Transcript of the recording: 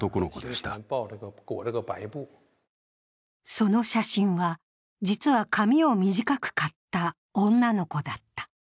その写真は、実は髪を短く刈った女の子だった。